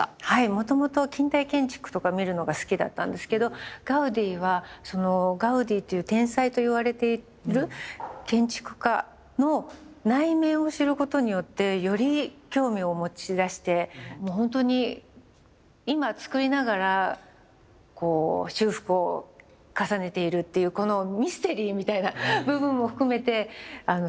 もともと近代建築とか見るのが好きだったんですけどガウディはそのガウディという天才といわれている建築家の内面を知ることによってより興味を持ちだしてもうほんとに今造りながらこう修復を重ねているっていうこのミステリーみたいな部分も含めてあのすごく興味があります。